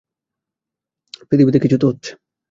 পৃথিবীতে কিছু তো হচ্ছে।